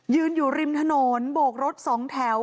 ยืนอยู่ริมถนนโบกรถ๒แถว